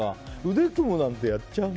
腕組むなんてやっちゃうな。